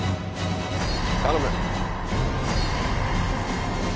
頼む。